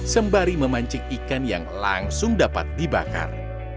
sembari memancing ikan yang langsung dapat dibakar